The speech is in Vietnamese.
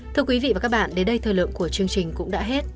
thưa quý vị và các bạn đến đây thời lượng của chương trình cũng đã hết